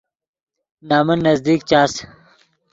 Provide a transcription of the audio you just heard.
نمن نزدیک چاس